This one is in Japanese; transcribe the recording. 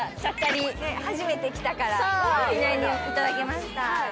初めて来たから記念にいただきました。